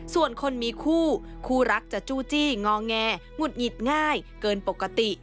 ส่วนคนมีคู่คู่รักจะจู้จี้งอแงหงุดหงิดง่ายเกินปกติ